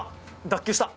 脱臼した！